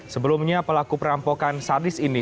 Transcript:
sebelumnya pelaku perampokan sadis ini